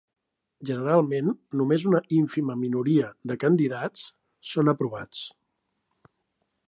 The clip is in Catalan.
Generalment, només una ínfima minoria de candidats són aprovats.